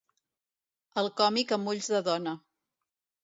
"El còmic amb ulls de dona"